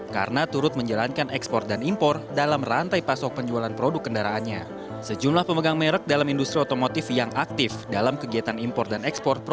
kepala ppp ppp dan ppp